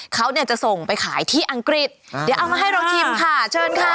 เขาเนี่ยจะส่งไปขายที่อังกฤษเดี๋ยวเอามาให้เราชิมค่ะเชิญค่ะ